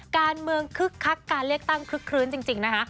การเมืองคึกครักการเรียกตั้งขึ้นจริงนะคะ